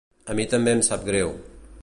A mi també em sap greu.